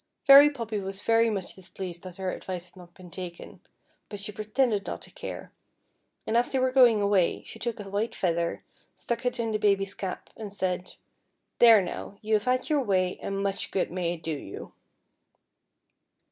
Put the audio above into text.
Fairy Poppy was very much dis pleased that her advice had not been taken ; but she pretended not to care, and as they were going awa} , she took a white feather, stuck it in the Baby's cap, and said, " There now, you have had your way, and much good may it do \ ou."